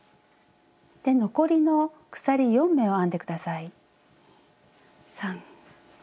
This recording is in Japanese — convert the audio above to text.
で残りの鎖４目を編んで下さい。